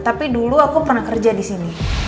tapi dulu aku pernah kerja di sini